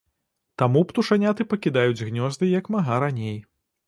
Таму птушаняты пакідаюць гнёзды як мага раней.